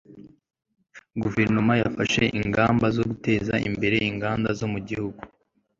guverinoma yafashe ingamba zo guteza imbere inganda zo mu gihugu